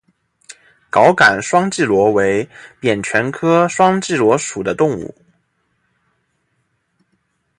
藁杆双脐螺为扁蜷科双脐螺属的动物。